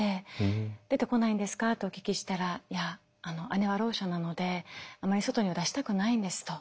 「出てこないんですか？」とお聞きしたら「姉はろう者なのであまり外には出したくないんです」と。